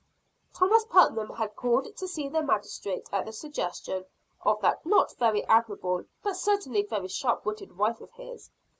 Thomas Putnam had called to see the magistrate at the suggestion of that not very admirable but certainly very sharp witted wife of his.